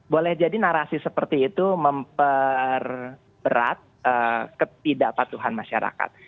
boleh jadi narasi seperti itu memperberat ketidakpatuhan masyarakat